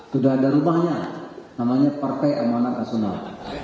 sudah ada rumahnya namanya partai amanat nasional